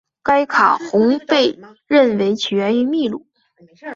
该卡洪被认为起源于秘鲁。